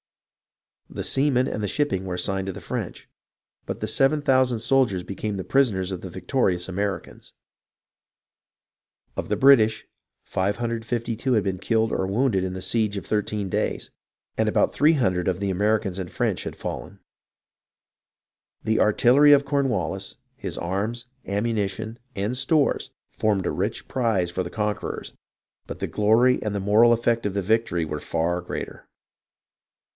The seamen and the shipping were assigned to the French, but the 7000 soldiers became the prisoners of the victorious Americans. Of the British, 552 had been killed or wounded in the siege of thirteen days, and about 300 of the Americans and French had fallen. The artillery of Cornwallis, his arms, ammunition, and stores, formed a rich prize for the conquerors ; but the glory and the moral effect of the victory were far greater.